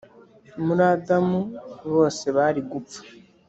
muri adamu bose bari gupfa